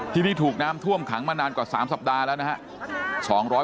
ที่นี่ถูกน้ำท่วมขังมานานกว่า๓สัปดาห์แล้วนะครับ